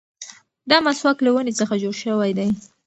دا مسواک له ونې څخه جوړ شوی دی.